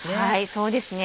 そうですね